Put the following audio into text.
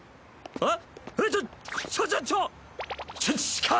えっ？